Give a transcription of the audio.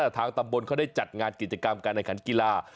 ทางตำบลเขาได้จัดงานกิจกรรมการแข่งขันกีฬา